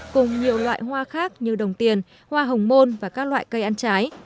cùng nhiều loại hoa khác như đồng tiền hoa hồng môn và các loại cây ăn trái